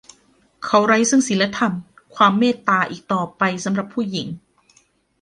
เขาไร้ซึ่งศีลธรรม ความเมตตา อีกต่อไปสำหรับผู้หญิง